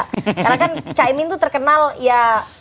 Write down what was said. karena kan caimin itu terkenal ya